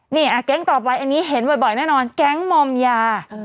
นี่แก๊งต่อไปอันนี้เห็นบ่อยแน่นอนแก๊งมอมยา